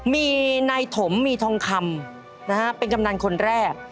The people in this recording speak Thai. มีนายถมมีทองคำเป็นกำนันคนแรก